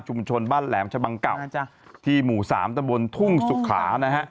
จมชนบ้านแหลมชฎาบังเก่าที่หมอสรรตระบนทุ่งศึกขา